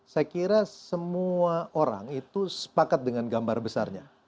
saya kira semua orang itu sepakat dengan gambar besarnya